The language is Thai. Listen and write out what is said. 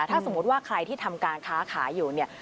ถ้าสมมุติว่าใครที่ทำการค้าขายอยู่เนี่ย